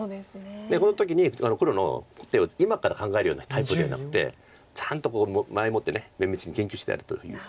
この時に黒の手を今から考えるようなタイプじゃなくてちゃんと前もって綿密に研究してあるという。